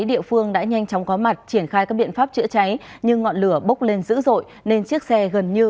địa phương đã nhanh chóng có mặt triển khai các biện pháp chữa cháy nhưng ngọn lửa bốc lên dữ dội nên chiếc xe gần như